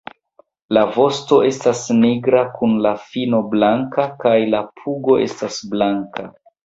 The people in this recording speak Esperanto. La vosto estas nigra kun la fino blanka kaj la pugo estas blanka.